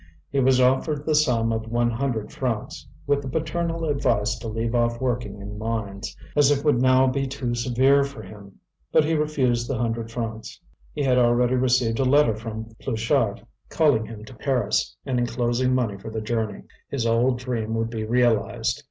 He was offered the sum of one hundred francs, with the paternal advice to leave off working in mines, as it would now be too severe for him. But he refused the hundred francs. He had already received a letter from Pluchart, calling him to Paris, and enclosing money for the journey. His old dream would be realized.